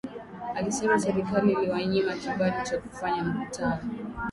Alisema serikali iliwanyima kibali cha kufanya mkutano